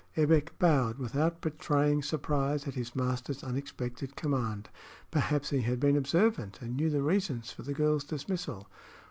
Ebbek bowed without betraying surprise at his master's unexpected command. Perhaps he had been observant, and knew the reason for the girl's dismissal.